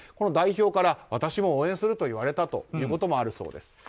代表から私も応援すると言われたということもあるそうです。